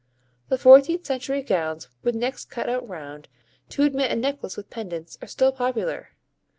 The fourteenth century gowns, with necks cut out round, to admit a necklace with pendants, are still popular.